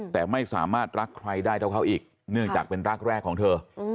แต่ไม่สามารถรักใครได้เท่าเขาอีกเนื่องจากเป็นรักแรกของเธอ